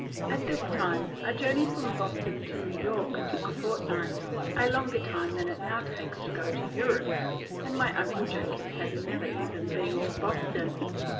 At this time, a journey from Boston to New York took a fortnight, – a longer time than it now takes to go to Europe, – and my Uncle Jacob had never been even to Boston.